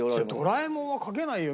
ドラえもんは描けないよ。